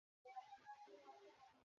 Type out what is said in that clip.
ওটা কীসের ইশারা করছে?